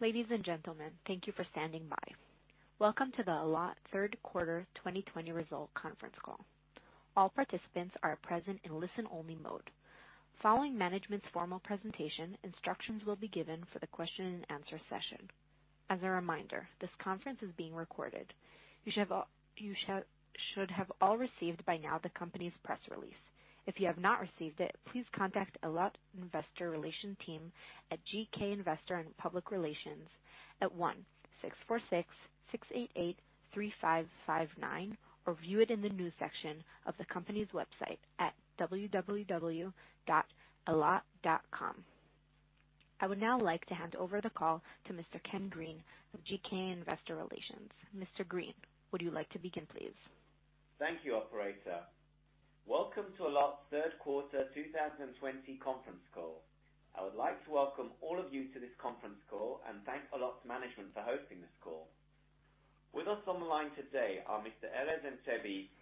Ladies and gentlemen, thank you for standing by. Welcome to the Allot third quarter 2020 result conference call. All participants are present in listen-only mode. Following management's formal presentation, instructions will be given for the question and answer session. As a reminder, this conference is being recorded. You should have all received by now the company's press release. If you have not received it, please contact Allot investor relation team at GK Investor & Public Relations at 1-646-688-3559 or view it in the news section of the company's website at www.allot.com. I would now like to hand over the call to Mr. Kenny Green of GK Investor Relations. Mr. Green, would you like to begin, please? Thank you, operator. Welcome to Allot's third quarter 2020 conference call. I would like to welcome all of you to this conference call and thank Allot's management for hosting this call. With us on the line today are Mr. Erez Antebi,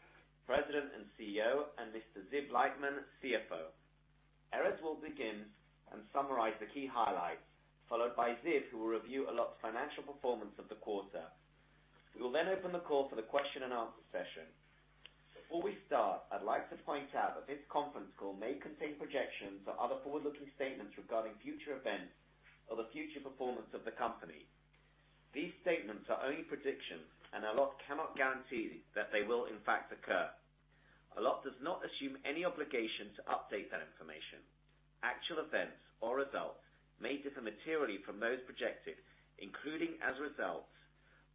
President and Chief Executive Officer, and Mr. Ziv Leitman, Chief Financial Officer. Erez will begin and summarize the key highlights, followed by Ziv, who will review Allot's financial performance of the quarter. We will open the call for the question and answer session. Before we start, I'd like to point out that this conference call may contain projections or other forward-looking statements regarding future events or the future performance of the company. These statements are only predictions, and Allot cannot guarantee that they will in fact occur. Allot does not assume any obligation to update that information. Actual events or results may differ materially from those projected, including as a result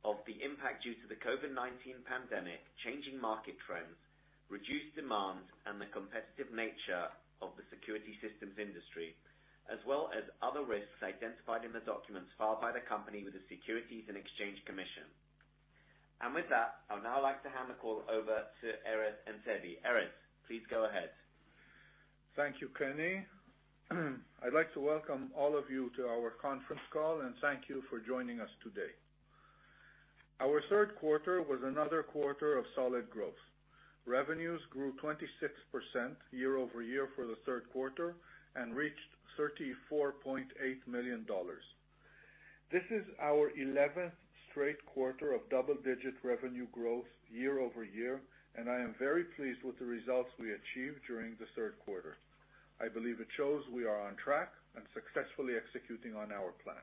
of the impact due to the COVID-19 pandemic, changing market trends, reduced demands, and the competitive nature of the security systems industry, as well as other risks identified in the documents filed by the company with the Securities and Exchange Commission. With that, I would now like to hand the call over to Erez Antebi. Erez, please go ahead. Thank you, Kenny. I'd like to welcome all of you to our conference call, and thank you for joining us today. Our third quarter was another quarter of solid growth. Revenues grew 26% year-over-year for the third quarter and reached $34.8 million. This is our 11th straight quarter of double-digit revenue growth year-over-year, and I am very pleased with the results we achieved during the third quarter. I believe it shows we are on track and successfully executing on our plan.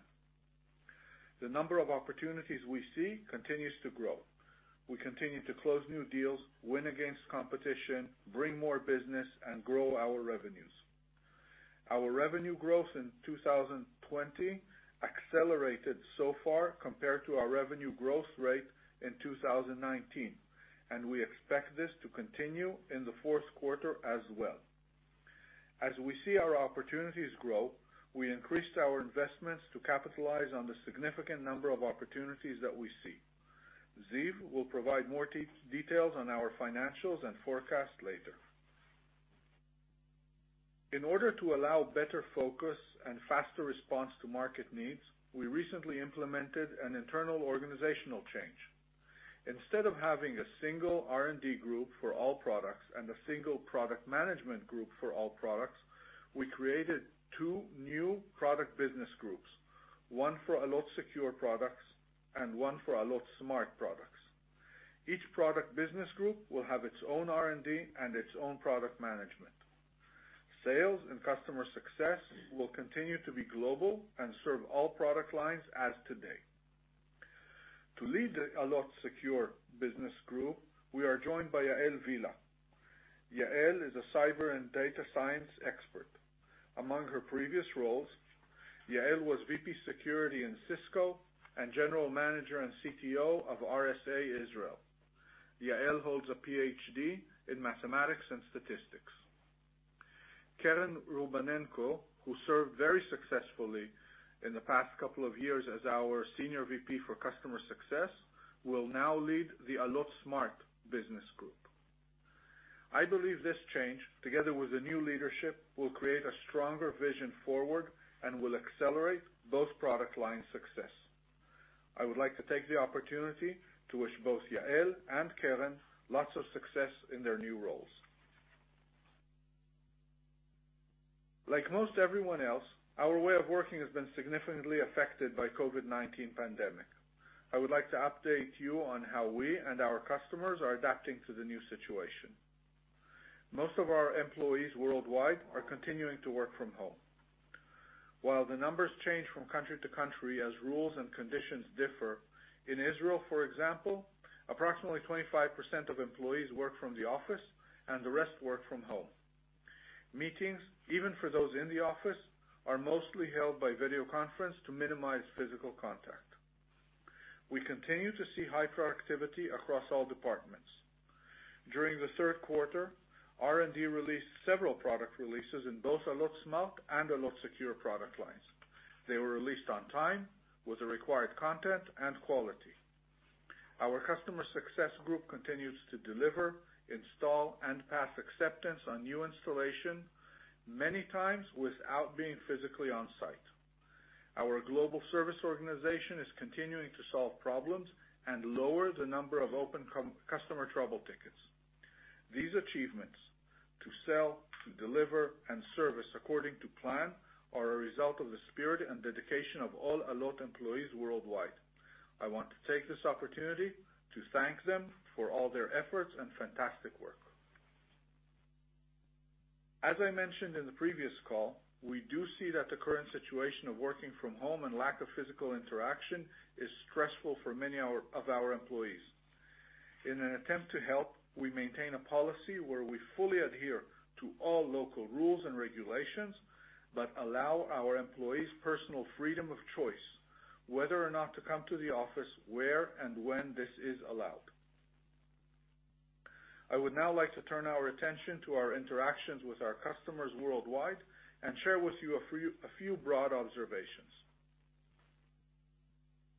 The number of opportunities we see continues to grow. We continue to close new deals, win against competition, bring more business, and grow our revenues. Our revenue growth in 2020 accelerated so far compared to our revenue growth rate in 2019, and we expect this to continue in the fourth quarter as well. As we see our opportunities grow, we increased our investments to capitalize on the significant number of opportunities that we see. Ziv will provide more details on our financials and forecasts later. In order to allow better focus and faster response to market needs, we recently implemented an internal organizational change. Instead of having a single R&D group for all products and a single product management group for all products, we created two new product business groups, one for Allot Secure products and one for Allot Smart products. Each product business group will have its own R&D and its own product management. Sales and customer success will continue to be global and serve all product lines as today. To lead the Allot Secure business group, we are joined by Yael Villa. Yael is a cyber and data science expert. Among her previous roles, Yael was VP security in Cisco and General Manager and CTO of RSA Israel. Yael holds a PhD in mathematics and statistics. Keren Rubanenko, who served very successfully in the past couple of years as our Senior VP for customer success, will now lead the Allot Smart business group. I believe this change, together with the new leadership, will create a stronger vision forward and will accelerate both product line success. I would like to take the opportunity to wish both Yael and Keren lots of success in their new roles. Like most everyone else, our way of working has been significantly affected by COVID-19 pandemic. I would like to update you on how we and our customers are adapting to the new situation. Most of our employees worldwide are continuing to work from home. While the numbers change from country to country as rules and conditions differ, in Israel, for example, approximately 25% of employees work from the office, and the rest work from home. Meetings, even for those in the office, are mostly held by video conference to minimize physical contact. We continue to see high productivity across all departments. During the third quarter, R&D released several product releases in both Allot Smart and Allot Secure product lines. They were released on time with the required content and quality. Our customer success group continues to deliver, install, and pass acceptance on new installation, many times without being physically on-site. Our global service organization is continuing to solve problems and lower the number of open customer trouble tickets. These achievements, to sell, to deliver, and service according to plan, are a result of the spirit and dedication of all Allot employees worldwide. I want to take this opportunity to thank them for all their efforts and fantastic work. As I mentioned in the previous call, we do see that the current situation of working from home and lack of physical interaction is stressful for many of our employees. In an attempt to help, we maintain a policy where we fully adhere to all local rules and regulations, but allow our employees personal freedom of choice whether or not to come to the office, where and when this is allowed. I would now like to turn our attention to our interactions with our customers worldwide and share with you a few broad observations.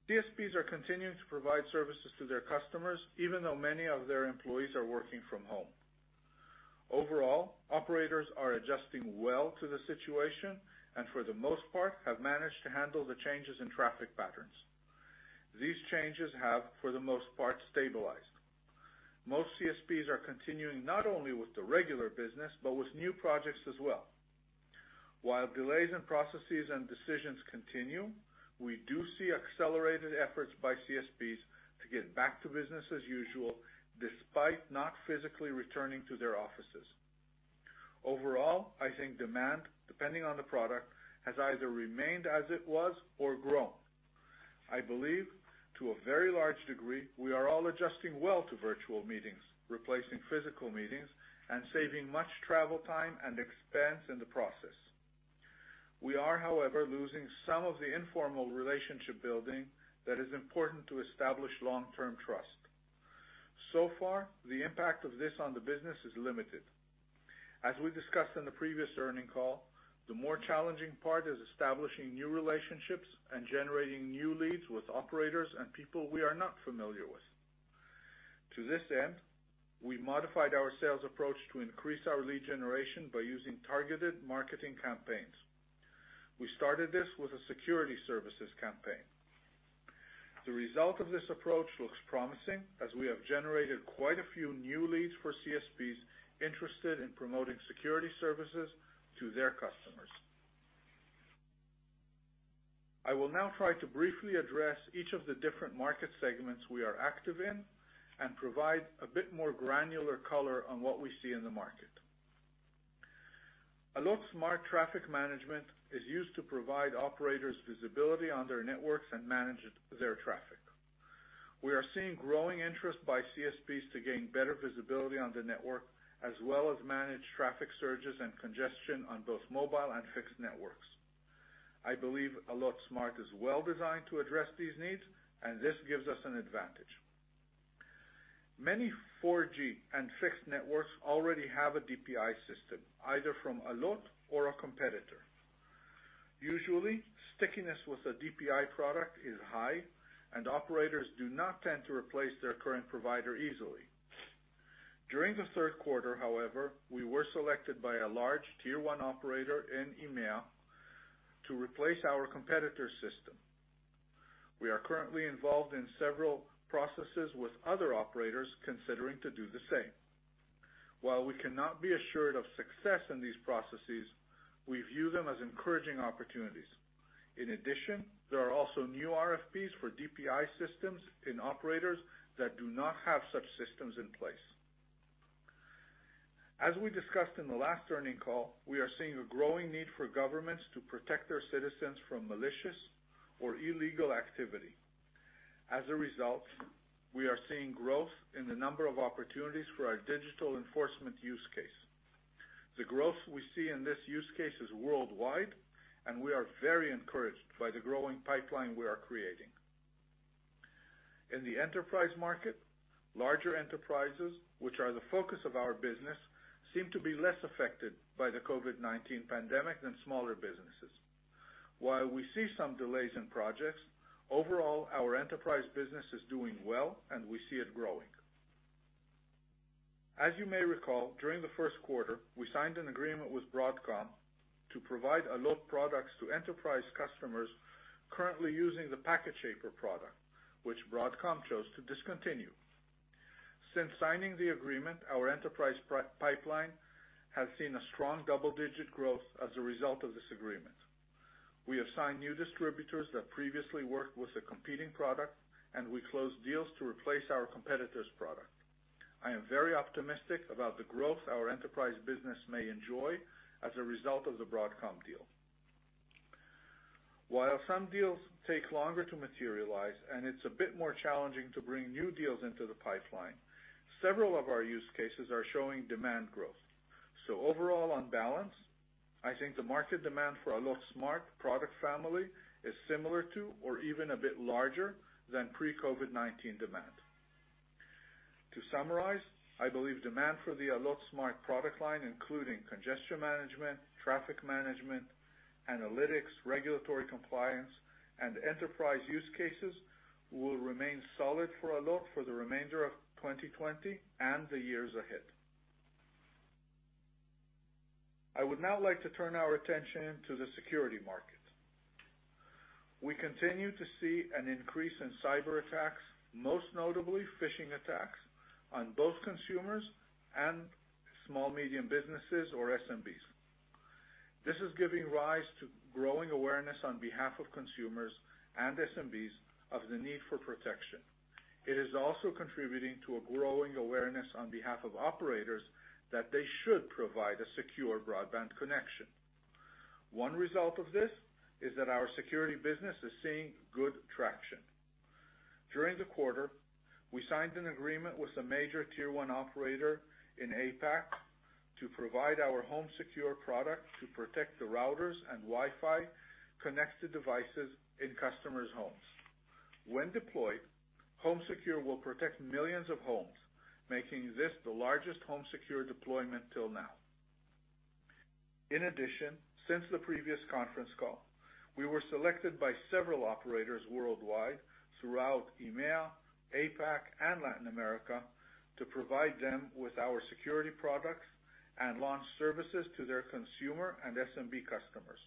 CSPs are continuing to provide services to their customers, even though many of their employees are working from home. Overall, operators are adjusting well to the situation, and for the most part, have managed to handle the changes in traffic patterns. These changes have, for the most part, stabilized. Most CSPs are continuing not only with the regular business, but with new projects as well. While delays in processes and decisions continue, we do see accelerated efforts by CSPs to get back to business as usual, despite not physically returning to their offices. Overall, I think demand, depending on the product, has either remained as it was or grown. I believe, to a very large degree, we are all adjusting well to virtual meetings replacing physical meetings, and saving much travel time and expense in the process. We are, however, losing some of the informal relationship building that is important to establish long-term trust. So far, the impact of this on the business is limited. As we discussed on the previous earnings call, the more challenging part is establishing new relationships and generating new leads with operators and people we are not familiar with. To this end, we modified our sales approach to increase our lead generation by using targeted marketing campaigns. We started this with a security services campaign. The result of this approach looks promising, as we have generated quite a few new leads for CSPs interested in promoting security services to their customers. I will now try to briefly address each of the different market segments we are active in and provide a bit more granular color on what we see in the market. Allot SmartTraffic Management is used to provide operators visibility on their networks and manage their traffic. We are seeing growing interest by CSPs to gain better visibility on the network, as well as manage traffic surges and congestion on both mobile and fixed networks. I believe Allot Smart is well-designed to address these needs, and this gives us an advantage. Many 4G and fixed networks already have a DPI system, either from Allot or a competitor. Usually, stickiness with a DPI product is high, and operators do not tend to replace their current provider easily. During the third quarter, however, we were selected by a large Tier-1 operator in EMEA to replace our competitor's system. We are currently involved in several processes with other operators considering to do the same. While we cannot be assured of success in these processes, we view them as encouraging opportunities. In addition, there are also new RFPs for DPI systems in operators that do not have such systems in place. As we discussed in the last earning call, we are seeing a growing need for governments to protect their citizens from malicious or illegal activity. As a result, we are seeing growth in the number of opportunities for our digital enforcement use case. The growth we see in this use case is worldwide, and we are very encouraged by the growing pipeline we are creating. In the enterprise market, larger enterprises, which are the focus of our business, seem to be less affected by the COVID-19 pandemic than smaller businesses. While we see some delays in projects, overall, our enterprise business is doing well, and we see it growing. As you may recall, during the first quarter, we signed an agreement with Broadcom to provide Allot products to enterprise customers currently using the PacketShaper product, which Broadcom chose to discontinue. Since signing the agreement, our enterprise pipeline has seen a strong double-digit growth as a result of this agreement. We have signed new distributors that previously worked with a competing product, and we closed deals to replace our competitor's product. I am very optimistic about the growth our enterprise business may enjoy as a result of the Broadcom deal. While some deals take longer to materialize and it's a bit more challenging to bring new deals into the pipeline, several of our use cases are showing demand growth. Overall, on balance, I think the market demand for Allot Smart product family is similar to, or even a bit larger than pre-COVID-19 demand. To summarize, I believe demand for the Allot Smart product line, including congestion management, traffic management, analytics, regulatory compliance, and enterprise use cases, will remain solid for Allot for the remainder of 2020 and the years ahead. I would now like to turn our attention to the security market. We continue to see an increase in cyberattacks, most notably phishing attacks on both consumers and small, medium businesses or SMBs. This is giving rise to growing awareness on behalf of consumers and SMBs of the need for protection. It is also contributing to a growing awareness on behalf of operators that they should provide a secure broadband connection. One result of this is that our security business is seeing good traction. During the quarter, we signed an agreement with a major Tier-1 operator in APAC to provide our HomeSecure product to protect the routers and Wi-Fi connected devices in customers' homes. When deployed, HomeSecure will protect millions of homes, making this the largest HomeSecure deployment till now. In addition, since the previous conference call, we were selected by several operators worldwide throughout EMEA, APAC, and Latin America to provide them with our security products and launch services to their consumer and SMB customers.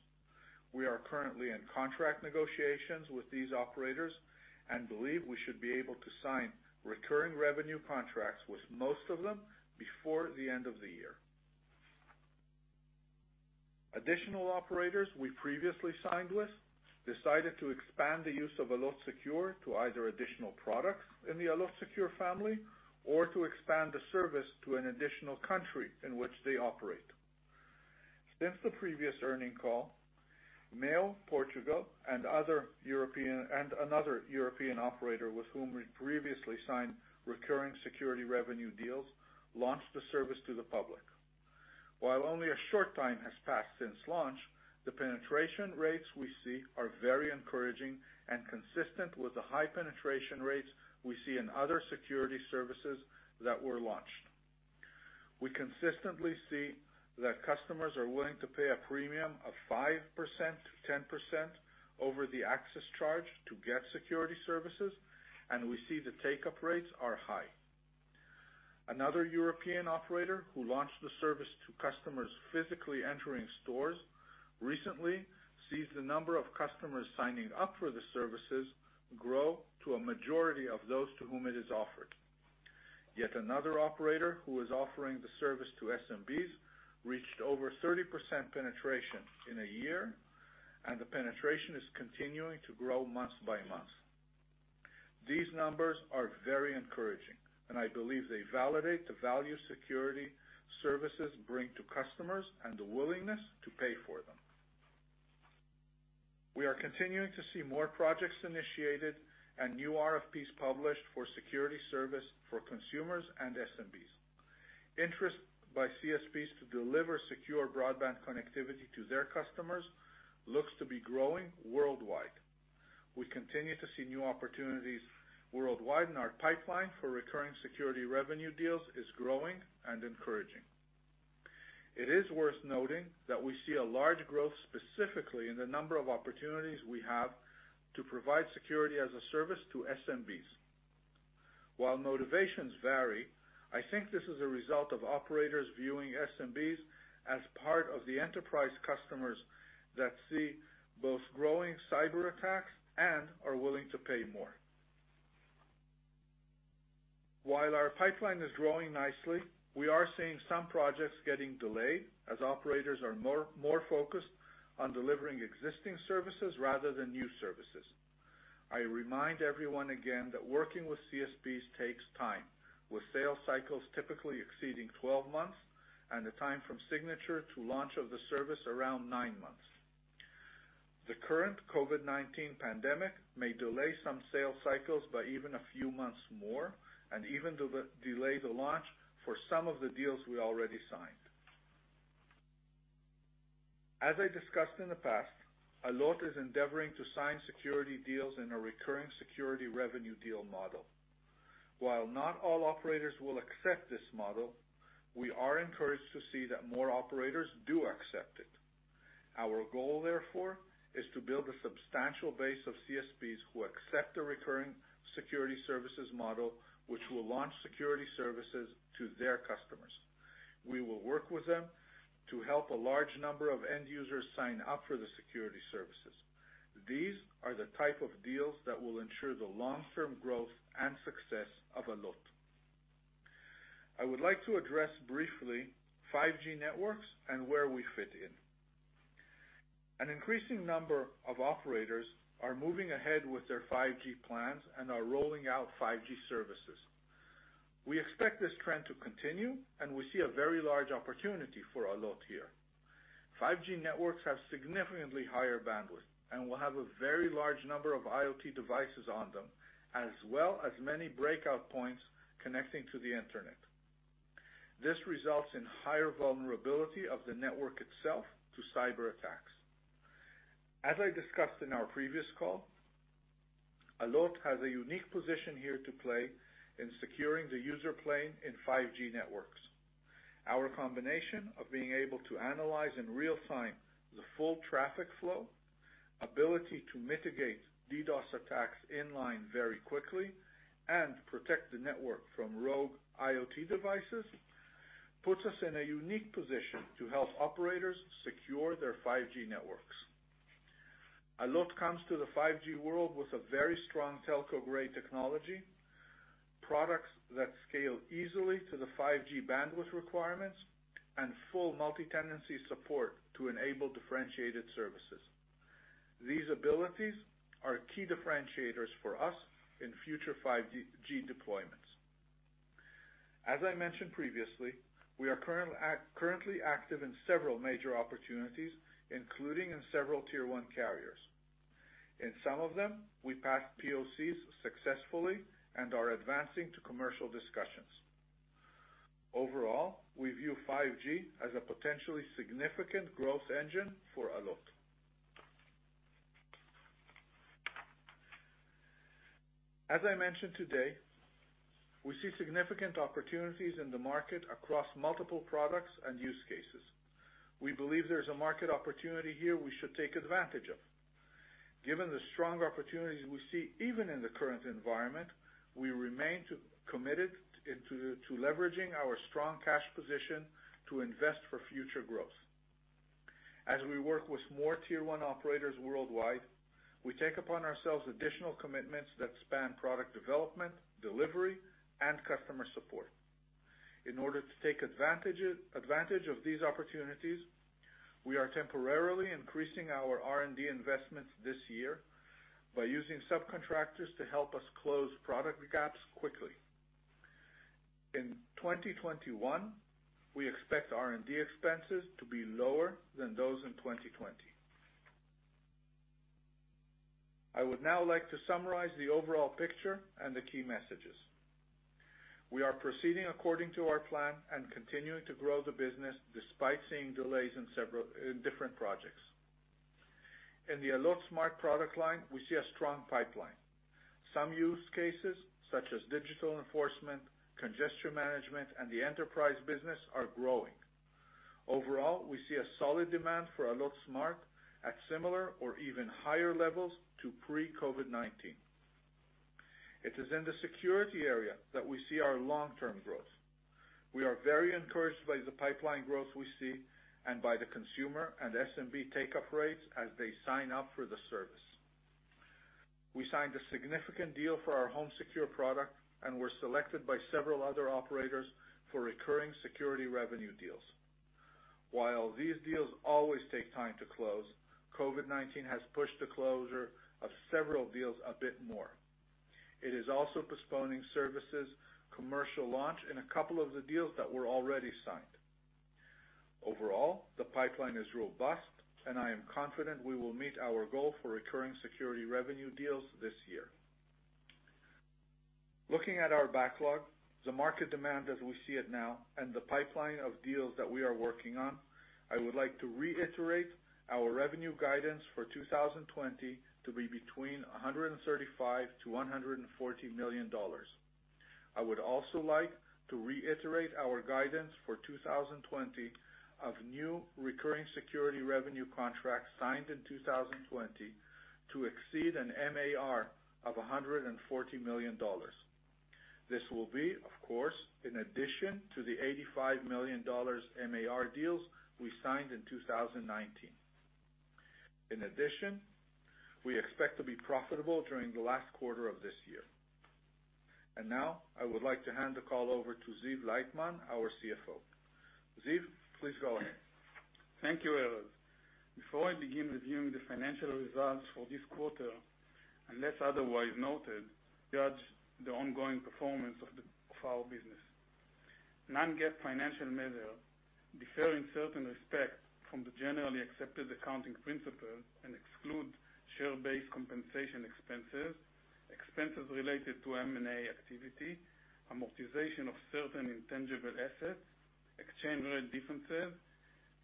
We are currently in contract negotiations with these operators and believe we should be able to sign recurring revenue contracts with most of them before the end of the year. Additional operators we previously signed with decided to expand the use of Allot Secure to either additional products in the Allot Secure family or to expand the service to an additional country in which they operate. Since the previous earning call, MEO, Portugal, and another European operator with whom we previously signed recurring security revenue deals, launched the service to the public. While only a short time has passed since launch, the penetration rates we see are very encouraging and consistent with the high penetration rates we see in other security services that were launched. We consistently see that customers are willing to pay a premium of 5%, 10% over the access charge to get security services, and we see the take-up rates are high. Another European operator who launched the service to customers physically entering stores recently sees the number of customers signing up for the services grow to a majority of those to whom it is offered. Yet another operator who is offering the service to SMBs reached over 30% penetration in a year, and the penetration is continuing to grow month by month. These numbers are very encouraging, and I believe they validate the value security services bring to customers and the willingness to pay for them. We are continuing to see more projects initiated and new RFPs published for security service for consumers and SMBs. Interest by CSPs to deliver secure broadband connectivity to their customers looks to be growing worldwide. We continue to see new opportunities worldwide, and our pipeline for recurring security revenue deals is growing and encouraging. It is worth noting that we see a large growth specifically in the number of opportunities we have to provide security as a service to SMBs. While motivations vary, I think this is a result of operators viewing SMBs as part of the enterprise customers that see both growing cyberattacks and are willing to pay more. While our pipeline is growing nicely, we are seeing some projects getting delayed as operators are more focused on delivering existing services rather than new services. I remind everyone again that working with CSPs takes time, with sales cycles typically exceeding 12 months and the time from signature to launch of the service around nine months. The current COVID-19 pandemic may delay some sales cycles by even a few months more and even delay the launch for some of the deals we already signed. As I discussed in the past, Allot is endeavoring to sign security deals in a recurring security revenue deal model. While not all operators will accept this model, we are encouraged to see that more operators do accept it. Our goal, therefore, is to build a substantial base of CSPs who accept a recurring security services model, which will launch security services to their customers. We will work with them to help a large number of end users sign up for the security services. These are the type of deals that will ensure the long-term growth and success of Allot. I would like to address briefly 5G networks and where we fit in. An increasing number of operators are moving ahead with their 5G plans and are rolling out 5G services. We expect this trend to continue, and we see a very large opportunity for Allot here. 5G networks have significantly higher bandwidth and will have a very large number of IoT devices on them, as well as many breakout points connecting to the internet. This results in higher vulnerability of the network itself to cyberattacks. As I discussed in our previous call, Allot has a unique position here to play in securing the user plane in 5G networks. Our combination of being able to analyze in real-time the full traffic flow, ability to mitigate DDoS attacks inline very quickly and protect the network from rogue IoT devices, puts us in a unique position to help operators secure their 5G networks. Allot comes to the 5G world with a very strong telco-grade technology, products that scale easily to the 5G bandwidth requirements, and full multi-tenancy support to enable differentiated services. These abilities are key differentiators for us in future 5G deployments. As I mentioned previously, we are currently active in several major opportunities, including in several Tier-1 carriers. In some of them, we passed POCs successfully and are advancing to commercial discussions. Overall, we view 5G as a potentially significant growth engine for Allot. As I mentioned today, we see significant opportunities in the market across multiple products and use cases. We believe there's a market opportunity here we should take advantage of. Given the strong opportunities we see even in the current environment, we remain committed to leveraging our strong cash position to invest for future growth. As we work with more Tier-1 operators worldwide, we take upon ourselves additional commitments that span product development, delivery, and customer support. In order to take advantage of these opportunities, we are temporarily increasing our R&D investments this year by using subcontractors to help us close product gaps quickly. In 2021, we expect R&D expenses to be lower than those in 2020. I would now like to summarize the overall picture and the key messages. We are proceeding according to our plan and continuing to grow the business despite seeing delays in different projects. In the Allot Smart product line, we see a strong pipeline. Some use cases, such as digital enforcement, congestion management, and the enterprise business, are growing. Overall, we see a solid demand for Allot Smart at similar or even higher levels to pre-COVID-19. It is in the security area that we see our long-term growth. We are very encouraged by the pipeline growth we see and by the consumer and SMB take-up rates as they sign up for the service. We signed a significant deal for our HomeSecure product and were selected by several other operators for recurring security revenue deals. While these deals always take time to close, COVID-19 has pushed the closure of several deals a bit more. It is also postponing services commercial launch in a couple of the deals that were already signed. Overall, the pipeline is robust, and I am confident we will meet our goal for recurring security revenue deals this year. Looking at our backlog, the market demand as we see it now, and the pipeline of deals that we are working on, I would like to reiterate our revenue guidance for 2020 to be between $135 million-$140 million. I would also like to reiterate our guidance for 2020 of new recurring security revenue contracts signed in 2020 to exceed an MAR of $140 million. This will be, of course, in addition to the $85 million MAR deals we signed in 2019. In addition, we expect to be profitable during the last quarter of this year. Now, I would like to hand the call over to Ziv Leitman, our CFO. Ziv, please go ahead. Thank you, Erez. Before I begin reviewing the financial results for this quarter, unless otherwise noted, judge the ongoing performance of our business. Non-GAAP financial measure differ in certain respects from the generally accepted accounting principles and exclude share-based compensation expenses related to M&A activity, amortization of certain intangible assets, exchange rate differences,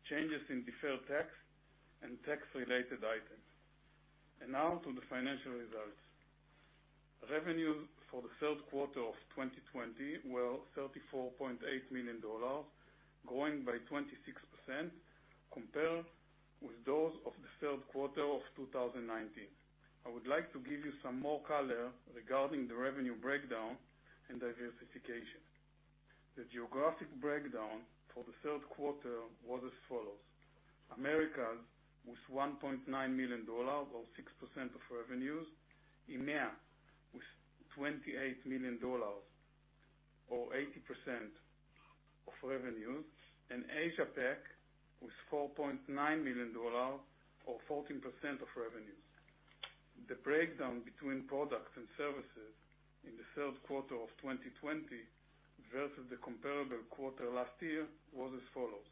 changes in deferred tax, and tax-related items. Now to the financial results. Revenue for the third quarter of 2020 were $34.8 million, growing by 26% compared with those of the third quarter of 2019. I would like to give you some more color regarding the revenue breakdown and diversification. The geographic breakdown for the third quarter was as follows. Americas, with $1.9 million, or 6% of revenues, EMEA, with $28 million, or 80% of revenues, and Asia PAC, with $4.9 million, or 14% of revenues. The breakdown between products and services in the third quarter of 2020 versus the comparable quarter last year was as follows.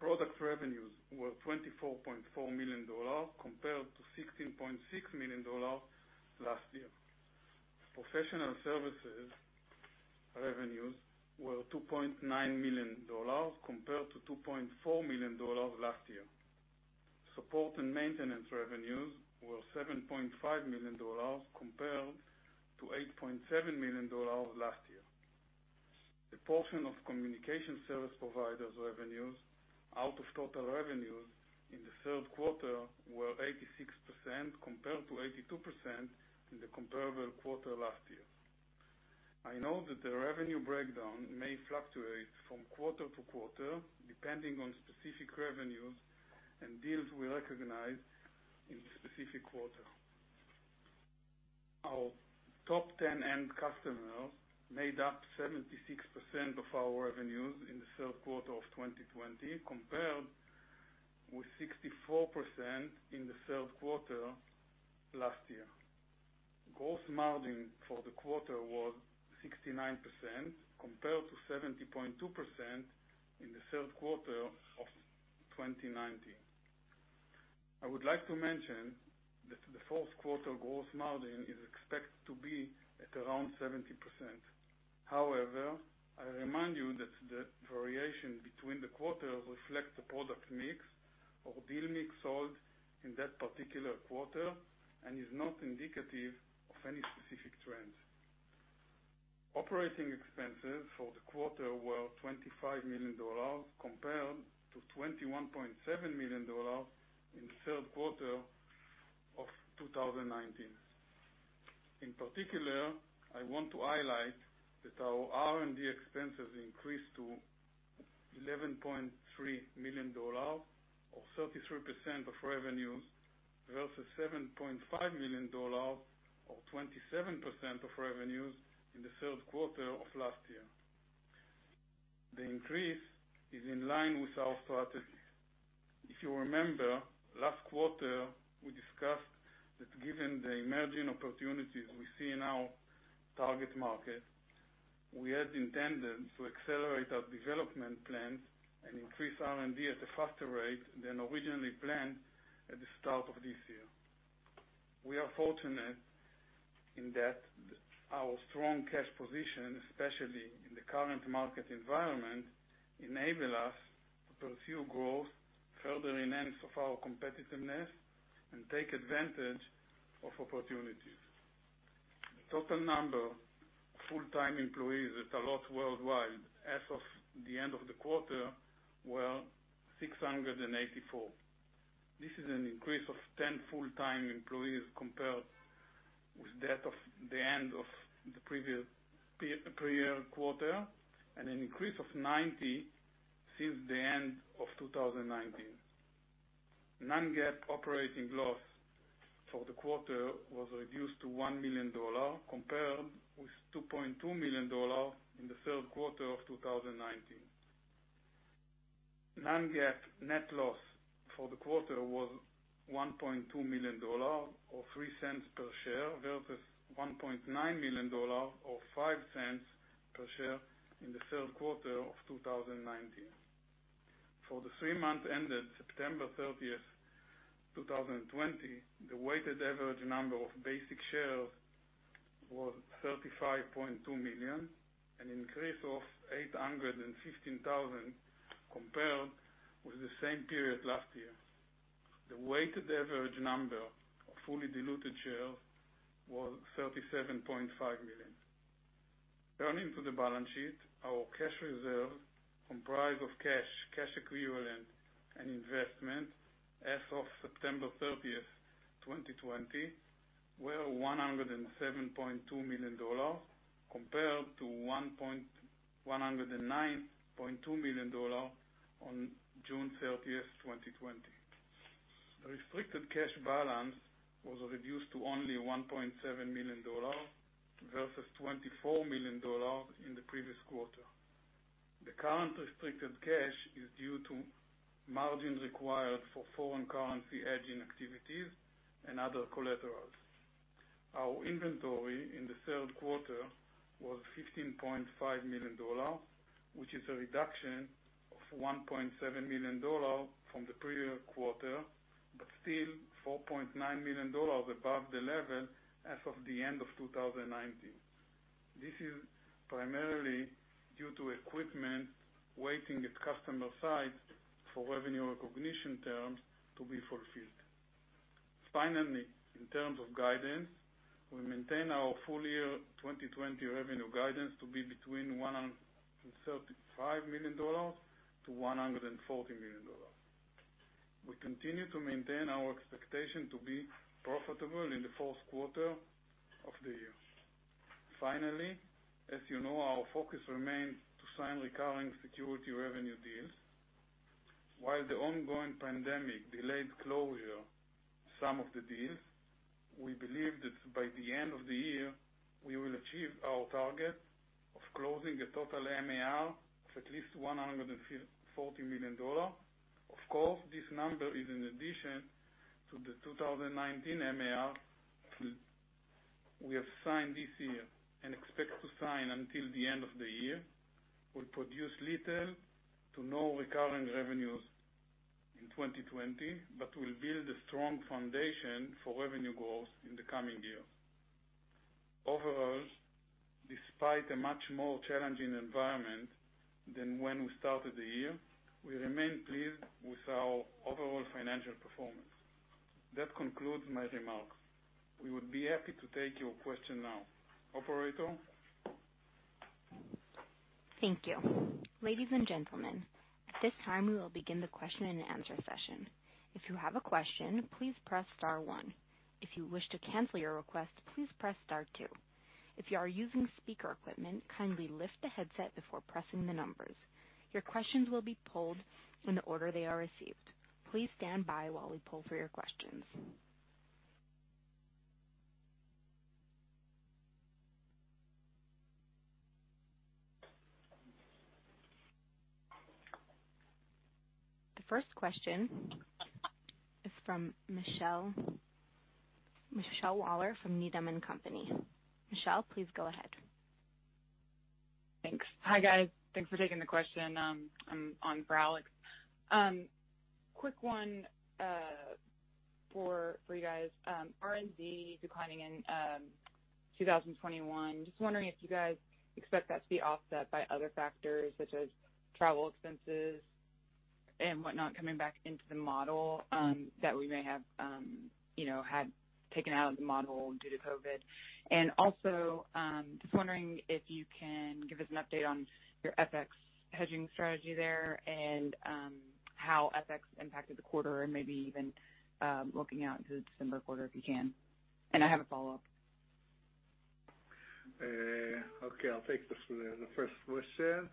Product revenues were $24.4 million compared to $16.6 million last year. Professional services revenues were $2.9 million compared to $2.4 million last year. Support and maintenance revenues were $7.5 million compared to $8.7 million last year. The portion of communication service providers revenues out of total revenues in the third quarter were 86%, compared to 82% in the comparable quarter last year. I know that the revenue breakdown may fluctuate from quarter to quarter, depending on specific revenues and deals we recognize in specific quarter. Our top 10 end customers made up 76% of our revenues in the third quarter of 2020, compared with 64% in the third quarter last year. Gross margin for the quarter was 69%, compared to 70.2% in the third quarter of 2019. I would like to mention that the fourth quarter gross margin is expected to be at around 70%. However, I remind you that the variation between the quarters reflects the product mix or deal mix sold in that particular quarter, and is not indicative of any specific trends. Operating expenses for the quarter were $25 million, compared to $21.7 million in the third quarter of 2019. In particular, I want to highlight that our R&D expenses increased to $11.3 million, or 33% of revenues, versus $7.5 million or 27% of revenues in the third quarter of last year. The increase is in line with our strategy. If you remember, last quarter, we discussed that given the emerging opportunities we see in our target market, we had intended to accelerate our development plans and increase R&D at a faster rate than originally planned at the start of this year. We are fortunate in that our strong cash position, especially in the current market environment, enable us to pursue growth, further enhance of our competitiveness, and take advantage of opportunities. Total number of full-time employees at Allot worldwide as of the end of the quarter were 684. This is an increase of 10 full-time employees compared with that of the end of the previous prior quarter, and an increase of 90 since the end of 2019. Non-GAAP operating loss for the quarter was reduced to $1 million, compared with $2.2 million in the third quarter of 2019. Non-GAAP net loss for the quarter was $1.2 million, or $0.03 per share, versus $1.9 million or $0.05 per share in the third quarter of 2019. For the three months ended September 30th, 2020, the weighted average number of basic shares was 35.2 million, an increase of 815,000 compared with the same period last year. The weighted average number of fully diluted shares was 37.5 million. Turning to the balance sheet, our cash reserve comprised of cash equivalent, and investment as of September 30th, 2020, were $107.2 million compared to $109.2 million on June 30th, 2020. The restricted cash balance was reduced to only $1.7 million versus $24 million in the previous quarter. The current restricted cash is due to margins required for foreign currency hedging activities and other collaterals. Our inventory in the third quarter was $15.5 million, which is a reduction of $1.7 million from the prior quarter, but still $4.9 million above the level as of the end of 2019. This is primarily due to equipment waiting at customer sites for revenue recognition terms to be fulfilled. In terms of guidance, we maintain our full year 2020 revenue guidance to be between $135 million-$140 million. We continue to maintain our expectation to be profitable in the fourth quarter of the year. As you know, our focus remains to sign recurring security revenue deals. While the ongoing pandemic delayed closure some of the deals, we believe that by the end of the year, we will achieve our target of closing a total MAR of at least $140 million. This number is in addition to the 2019 MAR we have signed this year and expect to sign until the end of the year, will produce little to no recurring revenues in 2020, but will build a strong foundation for revenue growth in the coming year. Overall, despite a much more challenging environment than when we started the year, we remain pleased with our overall financial performance. That concludes my remarks. We would be happy to take your question now. Operator? Thank you. Ladies and gentlemen, at this time, we will begin the question and answer session. If you have a question, please press star one. If you wish to cancel your request, please press star two. If you are using speaker equipment, kindly lift the headset before pressing the numbers. Your questions will be polled in the order they are received. Please stand by while we poll for your questions. The first question is from Michelle Waller from Needham & Company. Michelle, please go ahead. Thanks. Hi, guys. Thanks for taking the question. I'm on for Alex. Quick one for you guys. R&D declining in 2021. Just wondering if you guys expect that to be offset by other factors such as travel expenses and whatnot coming back into the model that we may have had taken out of the model due to COVID-19. Just wondering if you can give us an update on your FX hedging strategy there, and how FX impacted the quarter and maybe even, looking out into the December quarter, if you can. I have a follow-up. Okay. I'll take the first question.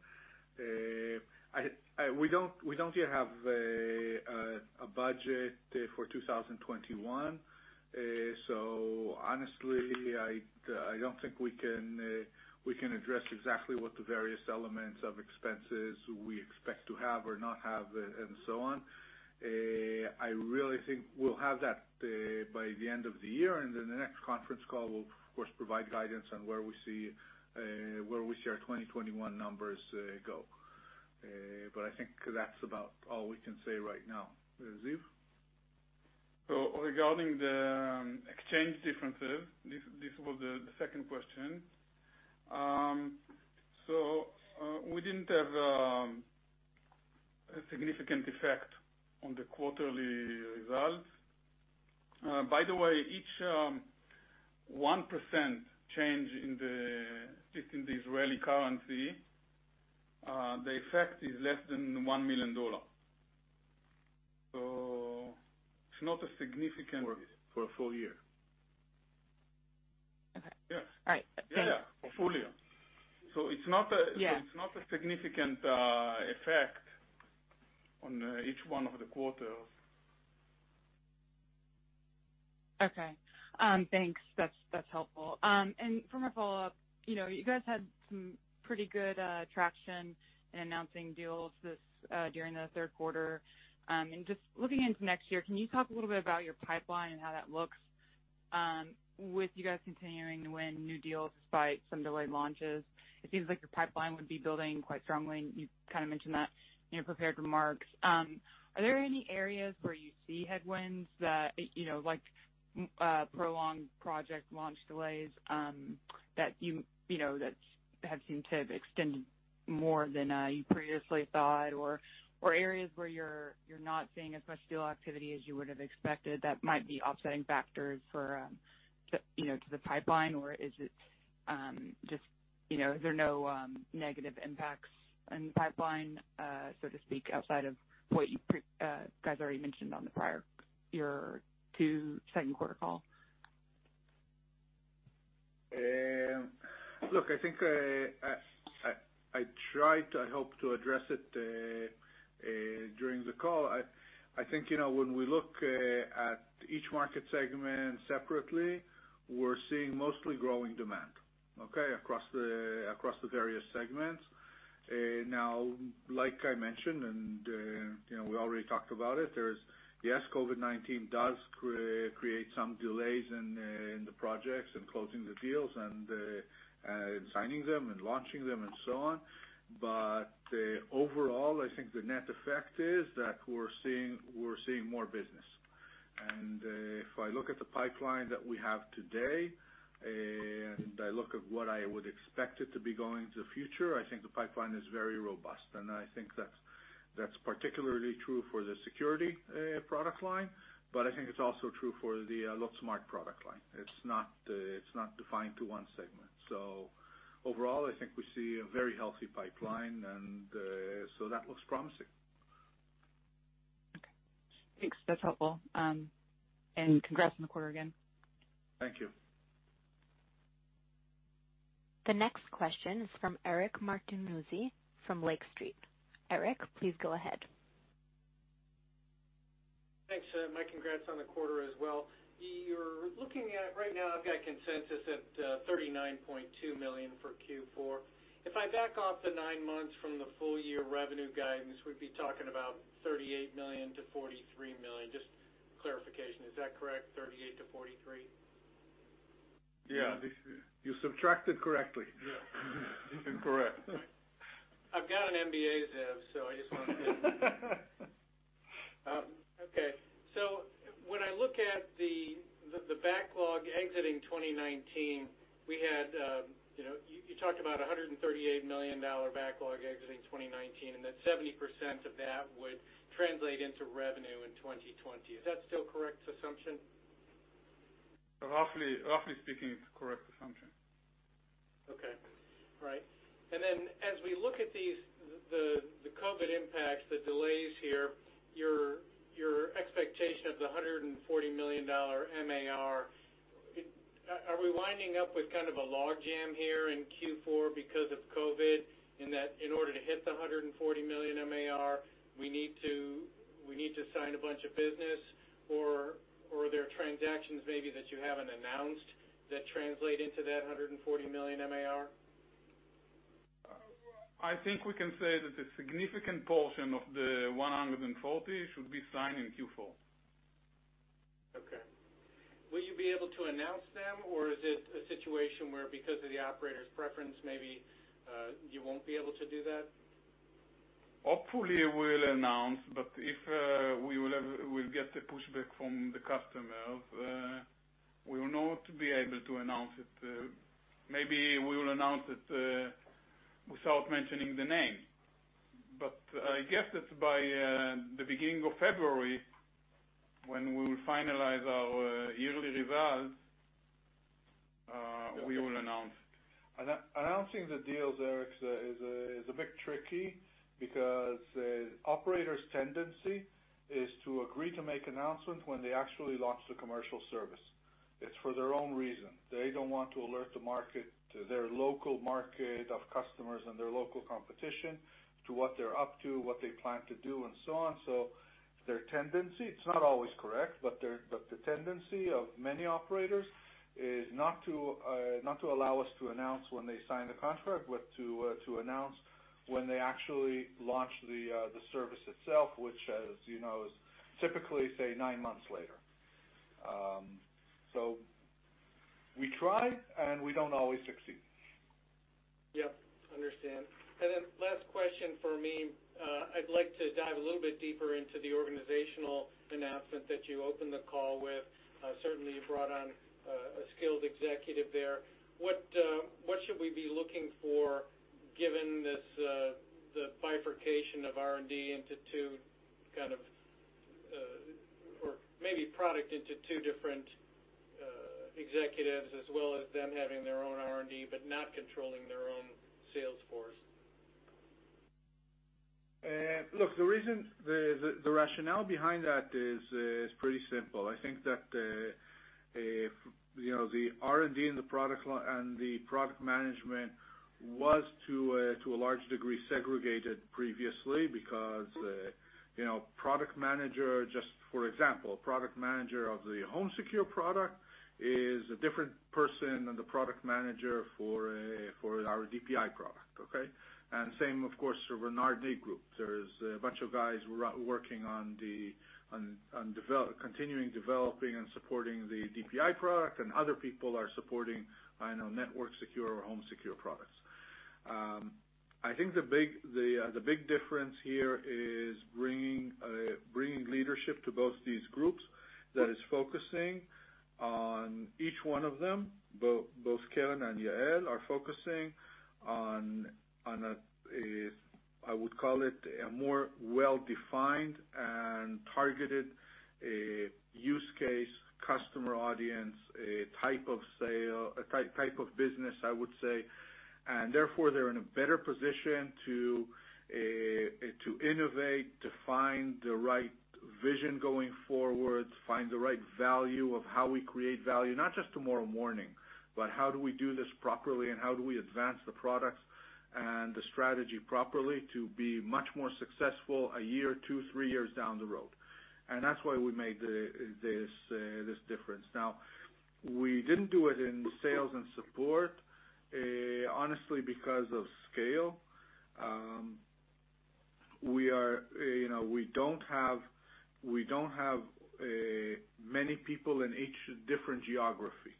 We don't yet have a budget for 2021, so honestly, I don't think we can address exactly what the various elements of expenses we expect to have or not have, and so on. I really think we'll have that by the end of the year, and in the next conference call, we'll, of course, provide guidance on where we see our 2021 numbers go. I think that's about all we can say right now. Ziv? Regarding the exchange differences, this was the second question. We didn't have a significant effect on the quarterly results. By the way, each 1% change in the Israeli currency, the effect is less than $1 million. It's not a significant effect. For a full year. Okay. Yes. All right. Thanks. Yeah. A full year. Yeah significant effect on each one of the quarters. Okay. Thanks. That's helpful. For my follow-up, you guys had some pretty good traction in announcing deals during the third quarter. Just looking into next year, can you talk a little bit about your pipeline and how that looks with you guys continuing to win new deals despite some delayed launches? It seems like your pipeline would be building quite strongly, and you kind of mentioned that in your prepared remarks. Are there any areas where you see headwinds like, prolonged project launch delays that have seemed to have extended more than you previously thought, or areas where you're not seeing as much deal activity as you would've expected that might be offsetting factors to the pipeline? Is there no negative impacts on the pipeline, so to speak, outside of what you guys already mentioned on your Q2 second quarter call? I think I tried, I hope to address it during the call. When we look at each market segment separately, we're seeing mostly growing demand, okay, across the various segments. Like I mentioned, and we already talked about it, yes, COVID-19 does create some delays in the projects, in closing the deals, and in signing them and launching them and so on. Overall, I think the net effect is that we're seeing more business. If I look at the pipeline that we have today, and I look at what I would expect it to be going into the future, I think the pipeline is very robust, and I think that's particularly true for the security product line. I think it's also true for the Allot Smart product line. It's not defined to one segment. Overall, I think we see a very healthy pipeline and so that looks promising. Okay. Thanks. That's helpful. Congrats on the quarter again. Thank you. The next question is from Eric Martinuzzi from Lake Street. Eric, please go ahead. Thanks. My congrats on the quarter as well. You're looking at, right now, I've got consensus at $39.2 million for Q4. If I back off the nine months from the full-year revenue guidance, we'd be talking about $38 million-$43 million. Just clarification, is that correct? $38 million-$43 million? Yeah. You subtracted correctly. Yeah. Correct. I've got an MBA, Ziv, so I just want to. Okay. When I look at the backlog exiting 2019, you talked about $138 million backlog exiting 2019, that 70% of that would translate into revenue in 2020. Is that still correct assumption? Roughly speaking, it's a correct assumption. Okay. Right. As we look at the COVID impacts, the delays here, your expectation of the $140 million MAR, are we winding up with kind of a log jam here in Q4 because of COVID, in that in order to hit the $140 million MAR, we need to sign a bunch of business, or there are transactions maybe that you haven't announced that translate into that $140 million MAR? I think we can say that a significant portion of the $140 million should be signed in Q4. Okay. Will you be able to announce them, or is it a situation where because of the operator's preference, maybe, you won't be able to do that? Hopefully, we'll announce, but if we'll get the pushback from the customers, we will not be able to announce it. Maybe we will announce it, without mentioning the name. I guess it's by the beginning of February when we will finalize our yearly results. Okay We will announce. Announcing the deals, Eric, is a bit tricky because operators' tendency is to agree to make announcements when they actually launch the commercial service. It's for their own reason. They don't want to alert the market, their local market of customers and their local competition, to what they're up to, what they plan to do, and so on. Their tendency, it's not always correct, but the tendency of many operators is not to allow us to announce when they sign the contract, but to announce when they actually launch the service itself, which as you know, is typically, say, nine months later. We try, and we don't always succeed. Yep. Understand. Then last question from me. I'd like to dive a little bit deeper into the organizational announcement that you opened the call with. Certainly, you brought on a skilled executive there. What should we be looking for given the bifurcation of R&D into two, kind of, or maybe product into two different executives, as well as them having their own R&D, but not controlling their own sales force? Look, the rationale behind that is pretty simple. I think that the R&D and the product management was, to a large degree, segregated previously because product manager, just for example, product manager of the HomeSecure product is a different person than the product manager for our DPI product, okay? Same, of course, for R&D group. There's a bunch of guys working on continuing developing and supporting the DPI product, and other people are supporting NetworkSecure or HomeSecure products. I think the big difference here is bringing leadership to both these groups that is focusing on each one of them. Both Keren and Yael are focusing on a, I would call it, a more well-defined and targeted use case customer audience, a type of business, I would say. Therefore, they're in a better position to innovate, to find the right vision going forward, find the right value of how we create value, not just tomorrow morning, but how do we do this properly, and how do we advance the products and the strategy properly to be much more successful a year, two, three years down the road. That's why we made this difference. Now, we didn't do it in sales and support, honestly because of scale. We don't have many people in each different geography.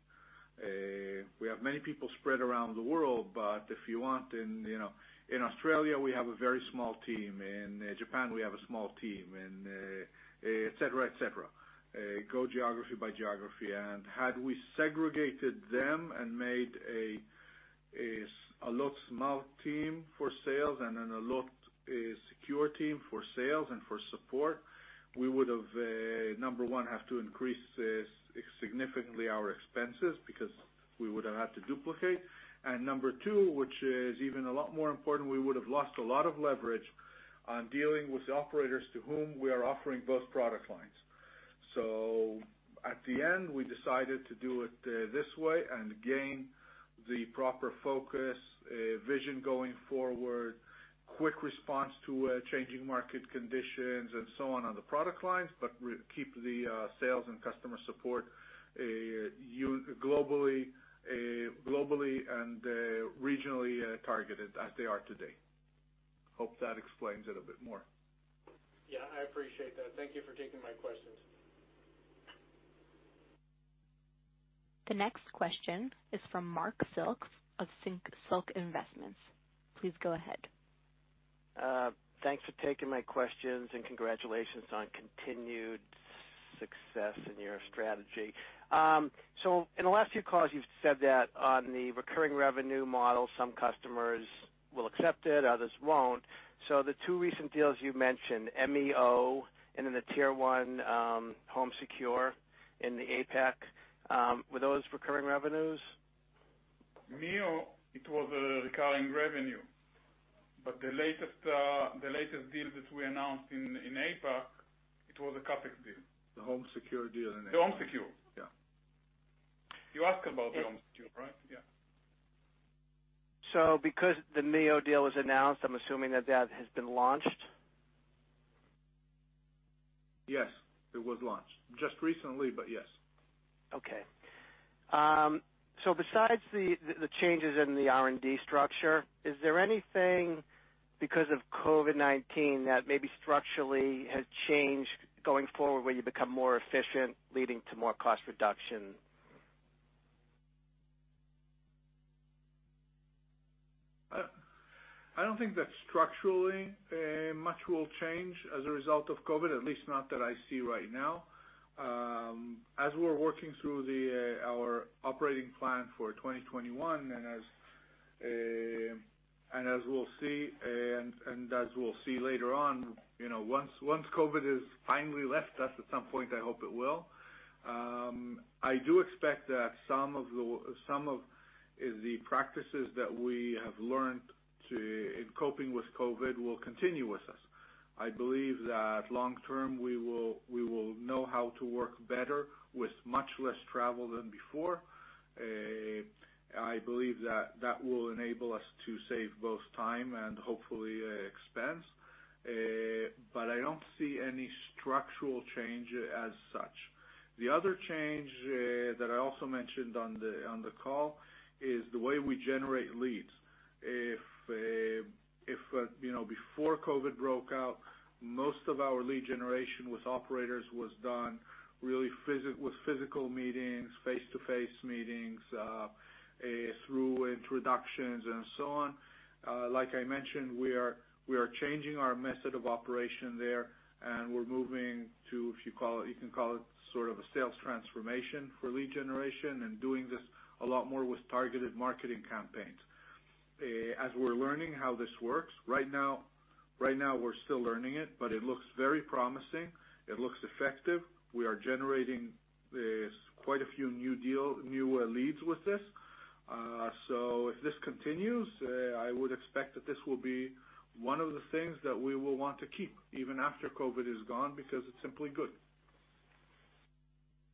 We have many people spread around the world, but if you want, in Australia, we have a very small team. In Japan, we have a small team, et cetera. Go geography by geography. Had we segregated them and made Allot Smart team for sales and an Allot Secure team for sales and for support, we would, number one, have to increase significantly our expenses because we would've had to duplicate. Number two, which is even a lot more important, we would've lost a lot of leverage on dealing with the operators to whom we are offering both product lines. At the end, we decided to do it this way and gain the proper focus, vision going forward, quick response to changing market conditions, and so on the product lines, but keep the sales and customer support globally and regionally targeted as they are today. Hope that explains it a bit more. Yeah, I appreciate that. Thank you for taking my questions. The next question is from Marc Silk of Silk Investments. Please go ahead. Thanks for taking my questions, and congratulations on continued success in your strategy. In the last few calls, you've said that on the recurring revenue model, some customers will accept it, others won't. The two recent deals you've mentioned, MEO and then the Tier-1 HomeSecure in the APAC, were those recurring revenues? MEO, it was a recurring revenue. The latest deal that we announced in APAC, it was a CapEx deal. The HomeSecure deal. The HomeSecure. Yeah. You asked about the HomeSecure, right? Yeah. Because the MEO deal is announced, I'm assuming that that has been launched. Yes, it was launched. Just recently, but yes. Okay. Besides the changes in the R&D structure, is there anything because of COVID-19 that maybe structurally has changed going forward, where you become more efficient, leading to more cost reduction? I don't think that structurally, much will change as a result of COVID-19, at least not that I see right now. As we're working through our operating plan for 2021, and as we'll see later on, once COVID-19 has finally left us, at some point, I hope it will, I do expect that some of the practices that we have learned in coping with COVID-19 will continue with us. I believe that long-term, we will know how to work better with much less travel than before. I believe that will enable us to save both time and hopefully, expense. I don't see any structural change as such. The other change that I also mentioned on the call is the way we generate leads. If before COVID-19 broke out, most of our lead generation with operators was done really with physical meetings, face-to-face meetings, through introductions and so on. Like I mentioned, we are changing our method of operation there, and we're moving to, you can call it sort of a sales transformation for lead generation, and doing this a lot more with targeted marketing campaigns. As we're learning how this works, right now we're still learning it, but it looks very promising. It looks effective. We are generating quite a few new leads with this. If this continues, I would expect that this will be one of the things that we will want to keep even after COVID-19 is gone, because it's simply good.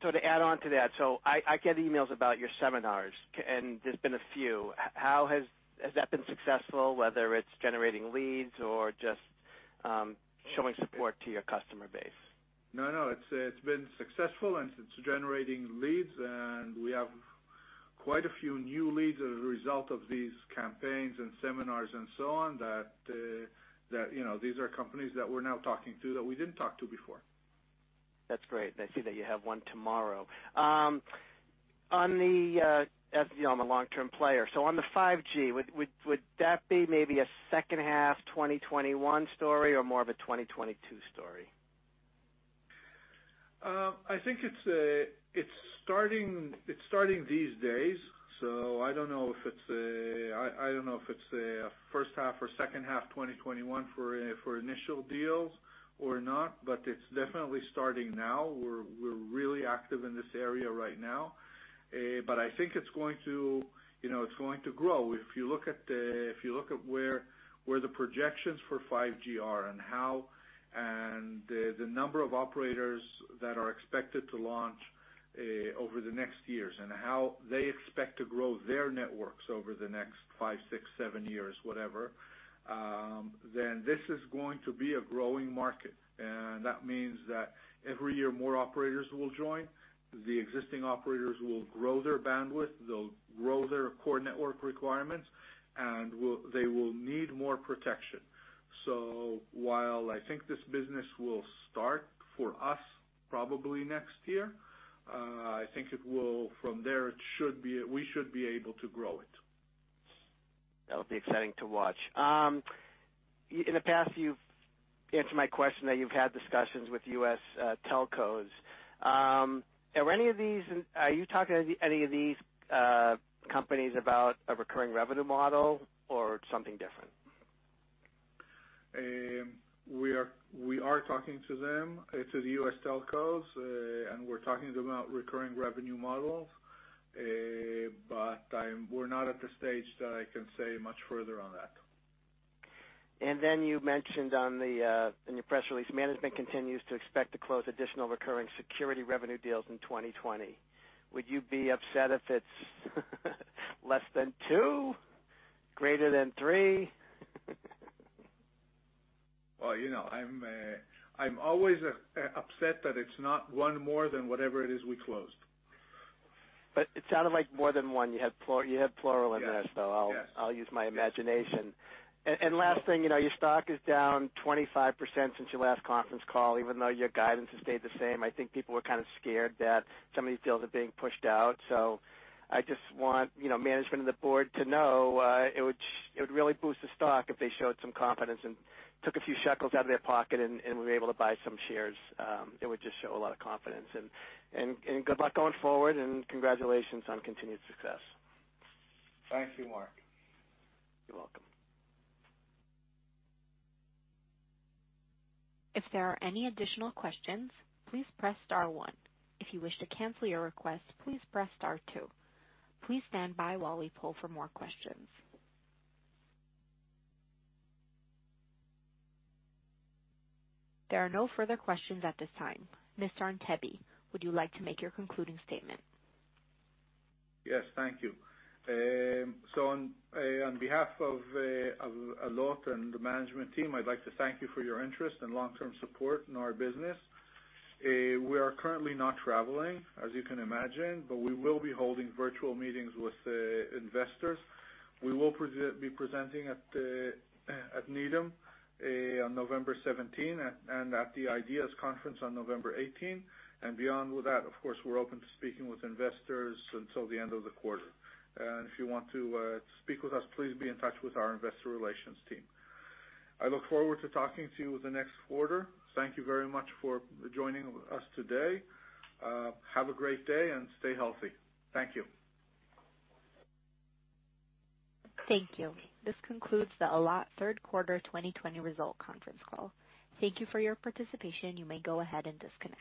To add on to that. I get emails about your seminars, and there's been a few. Has that been successful, whether it's generating leads or just showing support to your customer base? No, it's been successful, and it's generating leads, and we have quite a few new leads as a result of these campaigns and seminars and so on. These are companies that we're now talking to that we didn't talk to before. That's great. I see that you have one tomorrow. As I'm a long-term player, so on the 5G, would that be maybe a second half 2021 story or more of a 2022 story? I think it's starting these days. I don't know if it's a first half or second half 2021 for initial deals or not, but it's definitely starting now. We're really active in this area right now. I think it's going to grow. If you look at where the projections for 5G are and the number of operators that are expected to launch over the next years, and how they expect to grow their networks over the next five, six, seven years, whatever, then this is going to be a growing market. That means that every year, more operators will join. The existing operators will grow their bandwidth, they'll grow their core network requirements, and they will need more protection. While I think this business will start for us probably next year, I think from there, we should be able to grow it. That'll be exciting to watch. In the past, you've answered my question that you've had discussions with U.S. telcos. Are you talking to any of these companies about a recurring revenue model or something different? We are talking to them, to the U.S. telcos, and we're talking to them about recurring revenue models. We're not at the stage that I can say much further on that. You mentioned in your press release, management continues to expect to close additional recurring security revenue deals in 2020. Would you be upset if it's less than two? Greater than three? Well, I'm always upset that it's not one more than whatever it is we closed. It sounded like more than one. You had plural in there. Yes. I'll use my imagination. Last thing, your stock is down 25% since your last conference call, even though your guidance has stayed the same. I think people were kind of scared that some of these deals are being pushed out. I just want management and the board to know, it would really boost the stock if they showed some confidence and took a few shekels out of their pocket and were able to buy some shares. It would just show a lot of confidence. Good luck going forward, and congratulations on continued success. Thank you, Marc. You're welcome. There are no further questions at this time. Mr. Antebi, would you like to make your concluding statement? Yes, thank you. On behalf of Allot and the management team, I'd like to thank you for your interest and long-term support in our business. We are currently not traveling, as you can imagine, but we will be holding virtual meetings with investors. We will be presenting at Needham on November 17 and at the IDEAS Conference on November 18. Beyond that, of course, we're open to speaking with investors until the end of the quarter. If you want to speak with us, please be in touch with our investor relations team. I look forward to talking to you the next quarter. Thank you very much for joining us today. Have a great day and stay healthy. Thank you. Thank you. This concludes the Allot third quarter 2020 result conference call. Thank you for your participation. You may go ahead and disconnect.